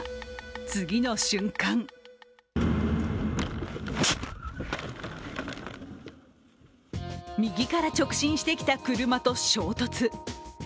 次の瞬間右から直進してきた車と衝突。